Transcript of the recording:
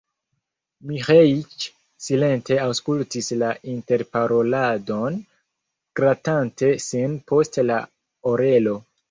Miĥeiĉ silente aŭskultis la interparoladon, gratante sin post la orelo.